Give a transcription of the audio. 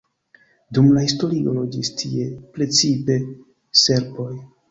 Dum la historio loĝis tie precipe serboj.